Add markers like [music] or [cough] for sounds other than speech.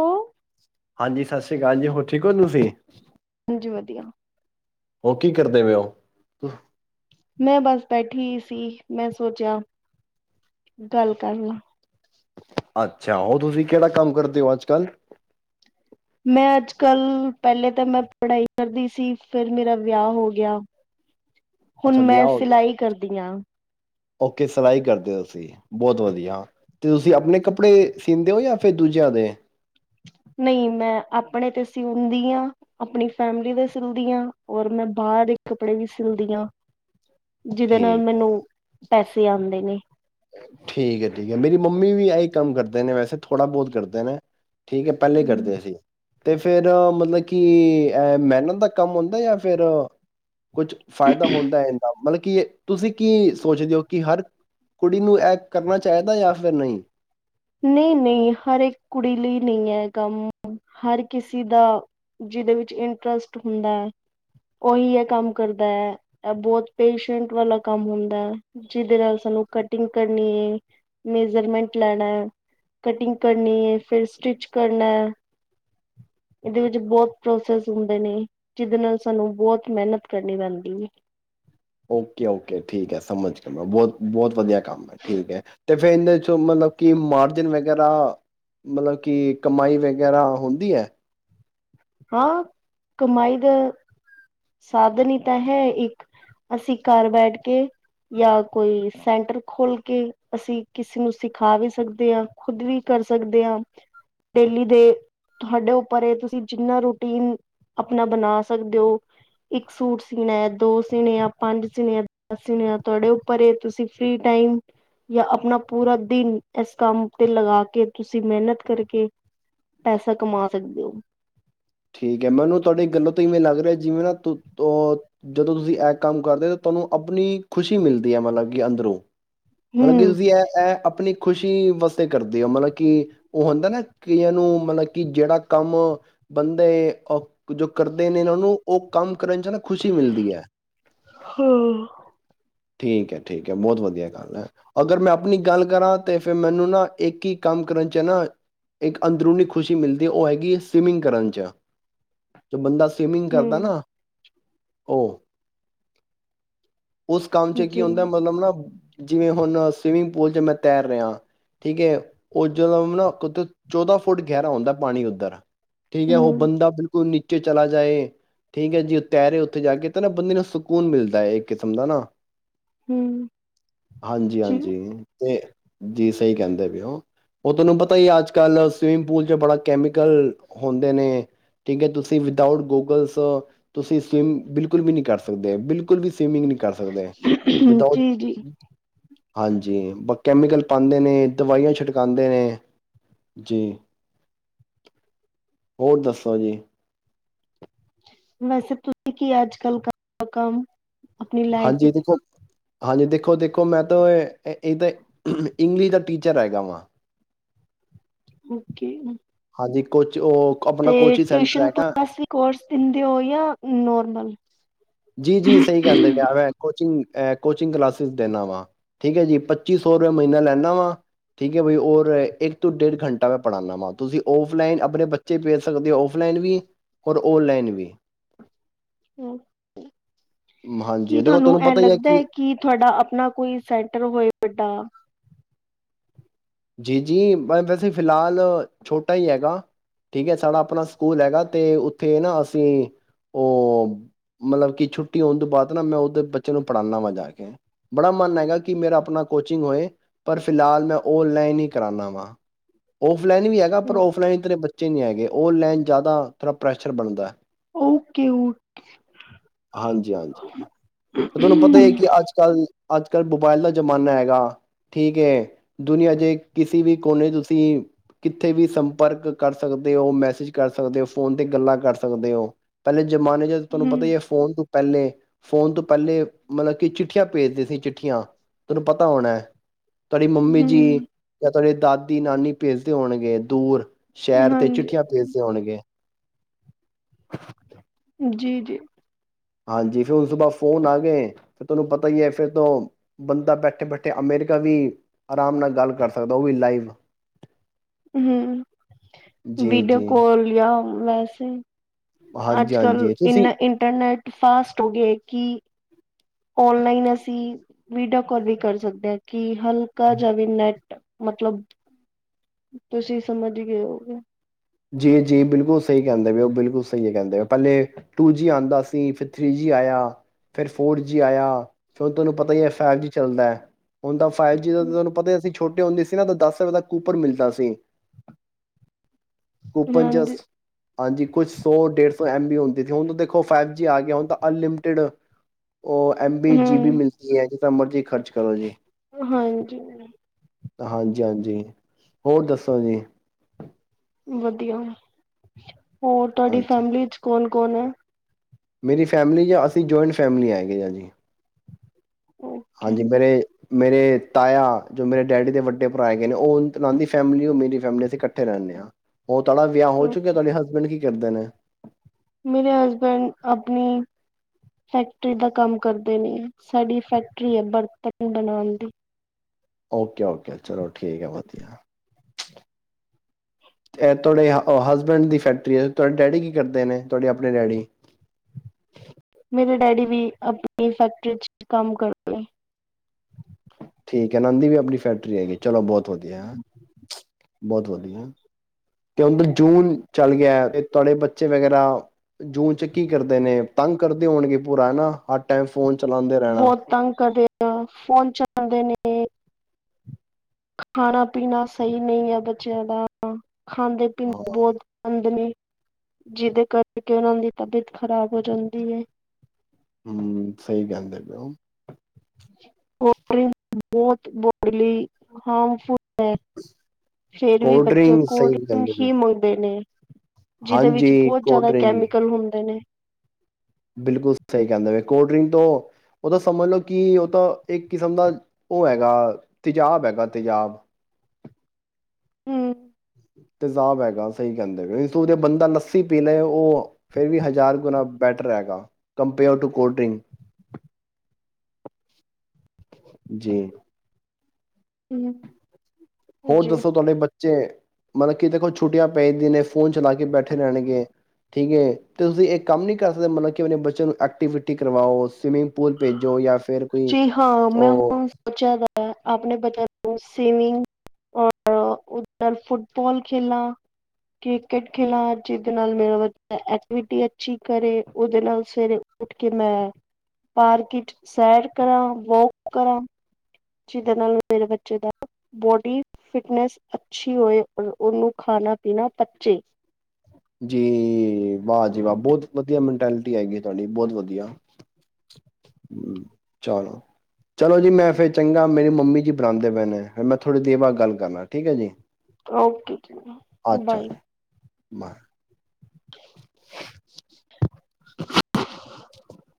ਹਾਂਜੀ ਹਾਂਜੀ ਸਤਿ ਸ੍ਰੀ ਅਕਾਲ ਜੀ ਹੋਰ ਠੀਕ ਹੋ ਤੁਸੀਂ। ਹਾਂਜੀ ਵਧੀਆ। ਹੋਰ ਕੀ ਕਰਦੇ ਪਏ ਉ [inaudible] ਮੈਂ ਬਸ ਬੈਠੀ ਹੀ ਸੀ ਮੈਂ ਸੋਚਿਆ ਗੱਲ ਕਰ ਲਾ। ਅੱਛਾ ਉਹ ਤੁਸੀਂ ਕਿਹੜਾ ਕੰਮ ਕਰਦੇ ਹੋ ਅੱਜ ਕੱਲ ਮੈਂ ਅੱਜ ਕੱਲ ਪਹਿਲੇ ਤਾਂ ਮੈਂ ਪੜ੍ਹਾਈ ਕਰਦੀ ਸੀ ਫਿਰ ਮੇਰਾ ਵਿਆਹ ਹੋ ਗਿਆ। ਹੁਣ ਅੱਛਾ ਮੈਂ ਵਿਆਹ ਹੋ ਗਿਆ ਸਿਲਾਈ ਕਰਦੀ ਹਾਂ। ਓਕੇ ਸਿਲਾਈ ਕਰਦੇ ਹੋ ਤੁਸੀਂ ਬਹੁਤ ਵਧੀਆ ਤੇ ਤੁਸੀਂ ਆਪਣੇ ਕੱਪੜੇ ਸੀਦੇ ਹੋ ਜਾਂ ਫਿਰ ਦੂਜਿਆਂ ਦੇ। ਨਹੀਂ ਮੈਂ ਆਪਣੇ ਤੇ ਸਿਉਂਦੀ ਹਾਂ ਆਪਣੀ ਫੈਮਲੀ ਦੇ ਸਿਲਦੀ ਹਾਂ ਔਰ ਮੈਂ ਬਾਹਰ ਦੇ ਕੱਪੜੇ ਵੀ ਸਿਲਦੀ ਹਾਂ। ਜਿਹਦੇ ਨਾਲ ਠੀਕ ਮੈਨੂੰ ਪੈਸੇ ਆਉਂਦੇ ਨੇ। ਠੀਕ ਹੈ -ਠੀਕ ਹੈ ਮੇਰੀ ਮੰਮੀ ਵੀ ਆਹੀ ਕੰਮ ਕਰਦੇ ਨੇ ਵੈਸੇ ਥੋੜਾ ਬਹੁਤ ਕਰਦੇ ਨੇ। ਠੀਕ ਹੈ ਪਹਿਲੇ ਹੀ ਕਰਦੇ ਸੀਂ। ਤੇ ਫੇਰ ਮਤਲਬ ਕਿ ਮਿਹਨਤ ਦਾ ਕੰਮ ਹੁੰਦਾ ਜਾਂ ਫਿਰ ਕੁਛ ਫਾਇਦਾ ਹੁੰਦਾ ਹੈ ਇਦਾ। ਮਤਲਬ ਕੀ ਤੁਸੀਂ ਕੀ ਸੋਚਦੇ ਹੋ ਕਿ ਹਰ ਕੁੜੀ ਨੂੰ ਇਹ ਕਰਨਾ ਚਾਹੀਦਾ ਜਾਂ ਫਿਰ ਨਹੀਂ। ਨਹੀਂ -ਨਹੀਂ ਹਰ ਇੱਕ ਕੁੜੀ ਲਈ ਨਹੀਂ ਹੈ ਇਹ ਕੰਮ ਹਰ ਕਿਸੇ ਦਾ ਜਿਹਦੇ ਵਿੱਚ ਇੰਟਰਸਟ ਹੁੰਦਾ ਹੈ, ਉਹੀ ਇਹ ਕੰਮ ਕਰਦਾ ਹੈ ਇਹ ਬਹੁਤ ਪੇਸ਼ੈਂਟ ਵਾਲਾ ਕੰਮ ਹੁੰਦਾ ਹੈ ਜਿਹਦੇ ਨਾਲ ਸਾਨੂੰ ਕਟਿੰਗ ਕਰਨੀ ਹੈ, ਮੇਜਰਮੈਂਟ ਲੈਣਾ। ਕਟਿੰਗ ਕਰਨੀ ਹੈ, ਫਿਰ ਸਟਿਚ ਕਰਨਾ ਇਹਦੇ ਵਿੱਚ ਬਹੁਤ ਪ੍ਰੋਸੈਸ ਹੁੰਦੇ ਨੇ, ਜਿਹਦੇ ਨਾਲ ਸਾਨੂੰ ਬਹੁਤ ਮਿਹਨਤ ਕਰਨੀ ਪੈਂਦੀ ਏ। ਓਕੇ -ਓਕੇ ਠੀਕ ਹੈ ਸਮਝ ਕੇ ਮੈਂ ਬਹੁਤ ਬਹੁਤ ਵਧੀਆ ਕੰਮ ਹੈ ਠੀਕ ਹੈ। ਅੰਦੇ ਫਿਰ ਇਹਦੇ 'ਚੋਂ ਮਤਲਬ ਕਿ ਮਾਰਜਨ ਵਗੈਰਾ ਮਤਲਬ ਕਿ ਕਮਾਈ ਵਗੈਰਾ ਹੁੰਦੀ ਐ। ਹਾਂ ਕਮਾਈ ਦਾ ਸਾਧਨ ਹੀ ਤਾਂ ਹੈ, ਇੱਕ ਅਸੀਂ ਘਰ ਬੈਠ ਕੇ ਜਾਂ ਕੋਈ ਸੈਂਟਰ ਖੋਲ ਕੇ ਅਸੀਂ ਕਿਸੇ ਨੂੰ ਸਿਖਾ ਵੀ ਸਕਦੇ ਆਂ, ਖੁਦ ਵੀ ਕਰ ਸਕਦੇ ਹਾਂ ਡੇਲੀ ਦੇ ਤੁਹਾਡੇ ਉੱਪਰ ਇਹ ਤੁਸੀਂ ਜਿੰਨਾ ਰੂਟੀਨ ਆਪਣਾ ਬਣਾ ਸਕਦੇ ਹੋ, ਇੱਕ ਸੂਟ ਸੀਣਾ ਆ ਦੋ ਸੀਣੇ ਆ ਪੰਜ ਸੀਣੇ ਆ ਦਸ ਸੀਨ ਆ ਤੁਹਾਡੇ ਉਪਰ ਤੁਸੀ ਫਰੀ ਟਾਈਮ ਯ ਆਪਣਾ ਪੂਰਾ ਦਿਨ ਇਸ ਕੰਮ ਤੇ ਲਗਾ ਕੇ ਤੁਸੀਂ ਮੇਹਨਤ ਕਰਕੇ ਪੈਸਾ ਕਮਾ ਸਕਦੇ ਹੋ। ਠੀਕ ਹੈ ਮੈਨੂੰ ਤੁਹਾਡੀੇ ਗੱਲੋਂ ਤੋਂ ਇਵੇਂ ਲੱਗ ਰਿਹਾ ਜਿਵੇਂ ਨਾ ਜਦੋਂ ਤੁਸੀਂ ਇੱਕ ਕੰਮ ਕਰਦੇ ਤਾਂ ਤੁਹਾਨੂੰ ਆਪਣੀ ਖ਼ੁਸ਼ੀ ਮਿਲਦੀ ਹੈ। ਮਤਲਬ ਕਿ ਅੰਦਰੋਂ। ਮਤਲਬ ਕਿ ਹੂੰ, ਤੁਸੀਂ ਇਹ ਆਪਣੀ ਖੁਸ਼ੀ ਵਾਸਤੇ ਕਰਦੇ ਆਂ ਮਤਲਬ ਕਿ ਔ ਹੁੰਦਾ ਨਾ ਕਈਆਂ ਨੂੰ ਮਤਲਬ ਕਿ ਜੇੜਾ ਕੰਮ ਬੰਦੇ ਅ ਜੋ ਕਰਦੇ ਨੇ ਨਾ ਔਨਾਂ ਨੂੰ ਔ ਕੰਮ ਕਰਨ ਚ ਨਾ ਖੁਸ਼ੀ ਮਿਲਦੀ ਐ। ਹੰ ਠੀਕ ਐ, ਠੀਕ ਐ, ਬੌਤ ਵਧੀਆ ਗੱਲ ਐ, ਅਗਰ ਮੈਂ ਆਪਨੀ ਗੱਲ ਕਰਾਂ ਤੇ ਫੇਰ ਮੈਨੂੰ ਨਾ ਇੱਕ ਈ ਕੰਮ ਕਰਨ ਚ ਨਾ ਇੱਕ ਅੰਦਰੂਨੀ ਖੁਸ਼ੀ ਮਿਲਦੀ ਔ ਹੈਗੀ ਐ ਸਵਿਮਿੰਗ ਕਰਨ 'ਚ ਜੋ ਬੰਦਾ ਸਵਿਮਿੰਗ ਕਰਦਾ ਨਾ। ਔ ਉਸ ਕੰਮ ਚ ਕੀ ਜੀ, ਹੁੰਦਾ ਮਤਲਬ ਨਾ ਜਿਵੇਂ ਹੁਨ ਸਵੀਮਿੰਗ ਪੂਲ ਚ ਮੈਂ ਤੈਰ ਰਿਆਂ ਠੀਕ ਐ, ਉਹ ਜਦੋਂ ਨਾ ਚੌਦਾਂ ਫੁੱਟ ਗੈਰਾ ਹੁੰਦਾ ਪਾਨੀ ਔਧਰ। ਠੀਕ ਐ ਔ ਹੂੰ, ਬੰਦਾ ਬਿਲਕੁਲ ਨੀ ਚੇ ਚਲਾ ਜਾਏ ਠੀਕ ਐ ਜੇ ਤੈਰੇ ਔਥੇ ਜਾ ਕੇ ਤੇ ਨਾ ਬੰਦੇ ਨੂੰ ਸਕੂਨ ਮਿਲਦਾ ਏ ਇੱਕ ਕਿਸਮ ਦਾ ਨਾ। ਹੂੰ। ਜੀ, ਹਾਂਜੀ-ਹਾਂਜੀ ਤੇ। ਜੀ ਸਈ ਕੇਂਦੇ ਪਏ ਔਂ ਔ ਤੁਆਨੂੰ ਪਤਾ ਈ ਏ ਅੱਜ-ਕੱਲ ਸਵੀਮਿੰਗ ਪੂਲ ਚ ਬੜਾ ਕੈਮੀਕਲ ਹੁੰਦੇ ਨੇ ਠੀਕ ਏ ਤੁਸੀਂ ਵਿਦਊਟ ਗੂਗਲਸ ਤੁਸੀਂ ਸਵਿਮ ਬਿਲਕੁਲ ਵੀ ਨੀ ਕਰ ਸਕਦੇ ਬਿਲਕੁਲ ਵੀ ਸਵੀਮਿੰਗ ਨ ਜੀ-ਜੀ ਹਾਂਜੀ ਬ ਕੈਮੀਕਲ ਪਾਂਦੇ ਨੇ ਦਵਾਈਆਂ ਛਿੜਕਾਂਦੇ ਨੇ ਜੀ ਹੋਰ ਦੱਸੋ ਜੀ। ਵੈਸੇ ਤੁਸੀਂ ਕੀ ਅੱਜ ਕਰਦੇ ਕੰਮ ਅਪਨੀ ਲਾਈਫ਼ ਵਿੱਚ ਹਾਂਜੀ ਦੇਖੋ ਦੇਖੋ ਮੈਂ ਤਾਂ ਇ ਤਾਂ ਇੰਗਲਿਸ਼ ਦਾ ਟੀਚਰ ਹੈਗਾ ਵਾਂ। ਔਕੇ। ਜੀ ਕੁ ਤੇ ਟਿਊਸ਼ਨ ਕਲਾਸ ਵੀ ਕੋਰਸ ਦਿੰਦੇ ਹੋ ਯਾ ਨੋਰਮਲ ਜੀ-ਜੀ, ਸਈ ਕਹਿੰਦੇ ਪਏ ਐਵੇਂ ਕੋਚਿੰਗ ਐ ਕੋਚਿੰਗ ਕਲਾਸਿਸ ਦਿਨਾਂ ਵਾ, ਠੀਕ ਹੈ ਜੀ! ਪੱਚੀ ਸੌ ਰੁਪਆ ਮਹੀਨਾ ਲੈਨਾਂ ਵਾਂ। ਠੀਕ ਐ ਬਾਈ, ਔਰ ਇੱਕ ਤੋਂ ਡੇਢ ਘੰਟਾ ਮੈਂ ਪੜ੍ਹਾਦਾ ਵਾਂ ਤੁਸੀਂ ਔਫਲਾਈਨ ਆਪਨੇ ਬੱਚੇ ਭੇਜ ਸਕਦੇ ਹੋ ਔਫਲਾਈਨ ਵੀ, ਹੌਰ ਔਨਲਾਈਨ ਵੀ। ਹੰ ਕੀ ਹਾਂਜੀ ਦੇਖੋ ਤੁਹਾਨੂੰ ਐ ਪਤਾ ਹੀ ਹੈ ਲੱਗਦਾ ਐ ਕਿ ਤੁਹਾਡਾ ਆਪਨਾ ਕੋਈ ਸੈਂਟਰ ਹੋਏ ਵੱਡਾ। ਜੀ-ਜੀ, ਮੈਂ ਵੈਸੇ ਫਿਲਹਾਲ ਛੋਟਾ ਈ ਹੈਗਾਂ ਠੀਕ ਹੈ ਸਾਡਾ ਆਪਨਾ ਸਕੂਲ ਹੈਗਾ ਤੇ ਉੱਥੇ ਨਾ ਅਸੀਂ ਔ ਮਤਲਬ ਕਿ ਛੁੱਟੀ ਹੋਣ ਤੋਂ ਬਾਦ ਨਾ ਮੈਂ ਔਦਰ ਬੱਚਿਆਂ ਨੂੰ ਪੜਾਨਾਂ ਵਾਂ ਜਾ ਕੇ ਬੜਾ ਮਨ ਹੈਗਾ ਕਿ ਮੇਰਾ ਆਪਣਾ ਕੋਚਿੰਗ ਹੋਏ ਪਰ ਫਿਲਹਾਲ ਮੈਂ ਔਨਲਾਈਨ ਈ ਕਰਾਨਾਂ ਵਾਂ ਔਫ ਔਫਲਾਈਨ ਵੀ ਹੈਗਾ ਪਰ ਔਫਲਾਈਨ ਇਤਨੇ ਬ ਬੱਚੇ ਨੀਂ ਹੈਗੇ ਔਨਲਾਈਨ ਜਾਦਾ ਥੌੜਾ ਪ੍ਰੈਸ਼ਰ ਬਨਦੈ ਓਕੇ ਓ ਹੂੰ ਹਾਂਜੀ-ਹਾਂਜੀ, ਤੇ ਤੁਆਨੂੰ ਪਤਾ ਈ ਐ ਕਿ ਅੱਜ-ਕੱਲ੍ਹ ਅੱਜ-ਕੱਲ੍ਹ ਮੋਬਾਇਲ ਦਾ ਜਮਾਨਾ ਹੈਗਾ ਠੀਕ ਏ ਦੁਨੀਆਂ ਦੇ ਕਿਸੇ ਵੀ ਕੋਨੇ ਚ ਤੁਸੀਂ ਕਿੱਥੇ ਵੀ ਸੰਪਰਕ ਕਰ ਸਕਦੇ ਔਂ, ਮੈਸੇਜ ਕਰ ਸਕਦੇ ਔਂ, ਫੋਨ ਤੇ ਗੱਲਾਂ ਕਰ ਸਕਦੇ ਔਂ। ਪਹਿਲੇ ਜ ਜਮਾਨੇ ਚ ਤੁਹਾਨੂੰ ਪਤਾ ਈ ਐ ਫੋਨ ਪਹਿਲੇ ਫੌਨ ਤੋਂ ਪਹਿਲੇ ਮਤਲਬ ਕਿ ਚਿੱਠੀਆਂ ਭੇਜਦੇ ਸੀ ਚਿੱਠੀਆਂ ਤੁਹਾਨੂੰ ਪਤਾ ਹੋਣੈ ਤੁਆਡੀ ਮੰਮੀ ਜੀ ਹੂੰ ਮੈਰਲੇ ਦਾਦੀ ਨਾਨੀ ਭੇਜਦੇ ਹੋਣਗੇ ਦੂਰ ਸ਼ਹਿਰ ਤੇ ਹਾਂਜੀ ਚਿੱਠੀਆਂ ਭੇਜਦੇ ਹੋਣਗੇ [inaudible] ਜੀ- ਜੀ ਹਾਂਜੀ ਫਿਰ ਹੁਣ ਉਸ ਤੋਂ ਬਾਅਦ ਫੋਨ ਆ ਗਏ ਫਿਰ ਤੁਹਾਨੂੰ ਪਤਾ ਹੀ ਹੈ। ਫਿਰ ਤੋਂ ਬੰਦਾ ਬੈਠੇ ਬੈਠੇ ਅਮੇਰੀਕਾ ਵੀ ਆਰਾਮ ਨਾਲ ਗੱਲ ਕਰ ਸਕਦਾ ਉਹ ਵੀ ਲਾਈਵ। ਹਮ ਜੀ ਵੀਡੀਓ ਜੀ ਕੋਲ ਯ ਵੈਸੇ। ਹਾਂਜੀ ਅੱਜ ਕੱਲ ਹਾਂਜੀ ਤੁਸੀਂ ਇਨਾ ਇੰਟਰਨੈਟ। ਫਾਸਟ ਹੋ ਗਏ ਕਿ। ਓਨਲਾਈਨ ਅਸੀਂ ਵੀਡੀਓ ਕੋਲ ਵੀ ਕਰ ਸਕਦੇ ਹਾਂ ਕਿ। ਹਲਕਾ ਜਾਂ ਵੀ ਨੈਟ ਮਤਲਬ ਤੁਸੀਂ ਸਮਝ ਗਏ ਹੋਗੇ। ਜੀ ਜੀ ਬਿਲਕੁਲ ਸਹੀ ਕਹਿੰਦੇ ਪੇ ਉਹ ਬਿਲਕੁਲ ਸਹੀ ਕਹਿੰਦੇ ਪਹਿਲੇ ਟੂ ਜੀ ਆਉਂਦਾ ਸੀ ਫਿਰ ਥ੍ਰੀ ਜੀ ਆਇਆ ਫਿਰ ਫੋਰ ਜੀ ਆਇਆ ਫਿਰ ਤੁਹਾਨੂੰ ਪਤਾ ਹੀ ਹੈ ਫੈਵ ਜੀ ਚੱਲਦੈ ਹੁਣ ਫਾਈਵ ਜੀ ਦਾ ਤੁਹਾਨੂੰ ਪਤਾ ਅਸੀ ਛੋਟੀ ਹੁੰਦੀ ਸੀ ਨਾ ਤਾਂ ਦਸ ਰਪਏ ਦਾ ਕੂਪਰ ਮਿਲਦਾ ਸੀ। ਕੁੂਪਨਚਸ ਹਾਂਜੀ ਹਾਂਜੀ ਕੁਛ ਸੌ ਡੇਢ-ਸੌ ਐਮ-ਬੀ ਹੁੰਦੀ ਸੀ ਹੁਣ ਤਾਂ ਦੇਖੋ ਫਾਈਵ ਜੀ ਆ ਗਿਆ ਹੁਣ ਤਾਂ ਅਨਲਿਮਟਿਡ ਉਹ ਐਮ-ਬੀ ਜੀ-ਬੀ ਹਮ ਮਿਲਦੀ ਹੈ ਮਰਜ਼ੀ ਖਰਚ ਕਰੋ ਜੀ। ਹਾਂਜੀ। ਹਾਂਜੀ-ਹਾਂਜੀ ਹੋਰ ਦੱਸੋ ਜੀ। ਵਧੀਆ। ਹੋਰ ਤੁਹਾਡੀ ਹਾਂਜੀ ਫੈਮਿਲੀ ਚ ਕੌਣ ਕੋਣ ਏ? ਮੇਰੀ ਫੈਮਿਲੀ ਜਾਂ ਅਸੀਂ ਜੁਆਇੰਟ ਫੈਮਲੀ ਹੈਗੇ ਆਂ ਜੀ। ਓਕੇ ਹਾਂਜੀ ਮੇਰੇ ਮੇਰੇ ਤਾਇਆ ਜੋ ਮੇਰੇ ਡੈਡੀ ਦੇ ਵੱਡੇ ਭਰਾ ਹੈਗੇ ਨੇ ਉਹ [unintelligible] ਫੈਮਿਲੀ ਹੋਰ ਮੇਰੀ ਫੈਮਿਲੀ ਅਸੀਂ ਇਕੱਠੇ ਰਹਿਣੇ ਹਾਂ। [unintelligible] ਵਿਆਹ ਹੋ ਚੁੱਕਿਆ ਤੁਹਾਡੇ ਹਸਬੈਂਡ ਕੀ ਕਿਦੇ ਨੇ। ਮੇਰੇ ਹਸਬੈਂਡ ਆਪਣੀ ਫੈਕਟਰੀ ਦਾ ਕੰਮ ਕਰਦੇ ਨੇ ਸਾਡੀ ਫੈਕਟਰੀ ਹੈ ਬਰਤਨ ਬਣਾਉਣ ਦੀ। ਓਕੇ ਓਕੇ ਚਲੋ ਠੀਕ ਆ ਵਧੀਆ ਤੇ ਤੁਹਾਡੇ ਹ-ਹਸਬੈਂਡ ਦੀ ਫੈਕਟਰੀ ਹੈ ਤੁਹਾਡੇ ਡੈਡੀ ਕੀ ਕਰਦੇ ਨੇ ਤੁਹਾਡੀ ਆਪਣੇ ਡੈਡੀ? ਮੇਰੇ ਡੈਡੀ ਵੀ ਆਪਣੀ ਫੈਕਟਰੀ ਚ ਕੰਮ ਕਰਦੇ। ਕਨੰਦ ਦੀ ਵੀ ਆਪਣੀ ਫੈਕਰੀ ਹੈਗੀ ਚਲੋ ਬਹੁਤ ਵਧੀਆ ਬਹੁਤ ਵਧੀਆ ਤੇ ਹੁਣ ਜੂਨ ਚੱਲ ਗਿਆ ਤੇ ਤੁਡੇ ਬੱਚੇ ਵਗੈਰਾ ਜੂਨ ਚ ਕੀ ਕਰਦੇ ਨੇ ਤੰਗ ਕਰਦੇ ਹੋਣਗੇ ਪੂਰਾ ਹੈਨਾ ਹਰ ਟਾਈਮ ਫੋਨ ਚਲਾਉਂਦੇ ਰਹਿਣਾ ਬਹੁਤ ਤੰਗ ਕਰਦੇ ਫੋਨ ਚਲਾਉਂਦੇ ਨੇ ਖਾਣਾ ਪੀਣਾ ਸਹੀ ਨਹੀਂ ਹੈ, ਬੱਚਿਆਂ ਦਾ ਅਪਾ ਖਾਂਦੇ ਹਾਂ ਪੀਂਦੇ ਬਹੁਤ [inaudible] ਨੇ। ਜਿਹਦੇ ਕਰਕੇ ਉਨ੍ਹਾਂ ਦੀ ਤਬੀਅਤ ਖ਼ਰਾਬ ਹੋ ਜਾਂਦੀ ਹੈ। ਹੂੰ ਸਹੀ ਕਹਿੰਦੇ ਪੇ ਉ। [inaudible] ਬਹੁਤ ਬੋ ਲੀ ਹਾਰਮਫੁਲ ਹੈ, ਫੇਰ ਵੀ ਕੋਲਡ ਬੱਚੇ ਡਰਿੰਕ ਸਹੀ ਕੋਲਡਿਕ ਕਹਿੰਦੇ ਪਏ ਹੋ ਹੀ ਮੁਗਦੇ ਨੇ ਜਿਹਦੇ ਵਿੱਚ ਹਾਂਜੀ ਬਹੁਤ ਕੋਲਡ ਜ਼ਿਆਦਾ ਡਰਿੰਕ ਕੈਮੀਕਲ ਹੁੰਦੇ ਨੇ। ਬਿਲਕੁਲ ਸਹੀ ਕਹਿੰਦੇ ਪਏ, ਕੋਲਡ ਡਰਿੰਕ ਤੋਂ ਉਹ ਤਾਂ ਸਮਝ ਲਓ ਕਿ ਉਹ ਤਾਂ ਇੱਕ ਕਿਸਮ ਦਾ ਉਹ ਹੈਗਾ ਤੇਜਾਬ ਹੈਗਾ ਤੇਜ਼ਾਬ। ਹੂੰ ਤੇਜ਼ਾਬ ਹੈਗਾ ਸਹੀ ਕਹਿੰਦੇ ਪਿਉ, ਇਸ ਤੋ ਵਧਿਆ ਬੰਦਾ ਲੱਸੀ ਪੀ ਲੈ ਉਹ ਫਿਰ ਵੀ ਹਜ਼ਾਰ ਗੁਣਾ ਬੈਟਰ ਹੈਗਾ ਕੰਪੇਅਰ ਟੂ ਕੋਲਡਿੰਕ, ਜੀ। ਹੂੰ ਹੋਰ ਜੀ। ਦੱਸੋ ਤੁਹਾਡੇ ਬੱਚੇ ਮਤਲਬ ਕਿ ਦੇਖੋ ਛੁੱਟੀਆਂ ਪੈਂਦੀਆਂ ਨੇ ਫੋਨ ਚਲਾ ਕੇ ਬੈਠੇ ਰਹਿਣਗੇ ਠੀਕ ਹੈ ਅਤੇ ਤੁਸੀਂ ਇਹ ਕੰਮ ਨਹੀਂ ਕਰ ਸਕਦੇ ਮਤਲਬ ਕਿ ਆਪਣੇ ਬੱਚਿਆਂ ਨੂੰ ਐਕਟੀਵਿਟੀ ਕਰਵਾਓ ਸਵੀਮਿੰਗ ਜੀ ਹਾਂ। ਮੈਂ ਉਹ ਹੁਣ ਸੋਚਿਆ ਦਾ ਆਪਣੇ ਬੱਚਿਆਂ ਨੂੰ ਸੀਮਿੰਗ ਔਰ ਉਹਦੇ ਨਾਲ ਫੁੱਟਬਾਲ ਖੇਲਾਂਨਾ, ਕ੍ਰਿਕਟ ਖੇਲਨਾ, ਜਿਹਦੇ ਨਾਲ ਮੇਰਾ ਬੱਚਾ ਐਕਟੀਵਿਟੀ ਅੱਛੀ ਕਰੇ ਉਹਦੇ ਨਾਲ ਸਵੇਰੇ ਉੱਠ ਕੇ ਮੈਂ ਪਾਰਕ ਚ ਸੈਰ ਕਰਾਂ ਵੋਕ ਕਰਾਂ। ਜਿਹਦੇ ਨਾਲ ਮੇਰੇ ਬੱਚੇ ਦਾ ਬੋਡੀ ਫਿਟਨੈਸ ਅੱਛੀ ਹੋਏ, ਉਹਨੂੰ ਖਾਣਾ ਪੀਣਾ ਪਚੇ। ਜੀ, ਵਾਹ ਜੀ, ਵਾਹ ਬਹੁਤ ਵਧੀਆ। ਲੋਕੇਟੀ ਹੈ ਗੀ ਤੁਹਾਡੀ ਬਹੁਤ ਵਧੀਆ ਚਲੋ ਚਲੋ ਜੀ ਮੈਂ ਫਿਰ ਚੰਗਾ ਮੇਰੀ ਮੰਮੀ ਜੀ ਬੁਲਾਦੇ ਪੈਣੇ ਫਿਰ ਮੈਂ ਥੋੜੀ ਦੇਰ ਬਾਅਦ ਗੱਲ ਕਰਨਾ ਠੀਕ ਹੈ ਜੀ। ਓਕੇ। ਅੱਛਾ ਬਾਏ ਜੀ [inaudible] [unintelligible]